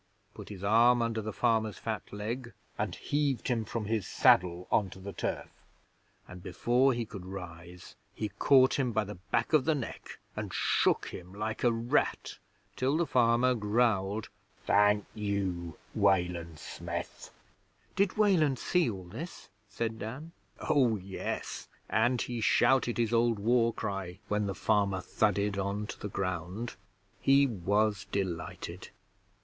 put his arm under the farmer's fat leg, and heaved him from his saddle on to the turf, and before he could rise he caught him by the back of the neck and shook him like a rat till the farmer growled, "Thank you, Wayland Smith."' 'Did Weland see all this?' said Dan. 'Oh yes, and he shouted his old war cry when the farmer thudded on to the ground. He was delighted.